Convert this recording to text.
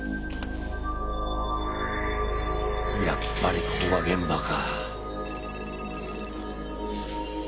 やっぱりここが現場か。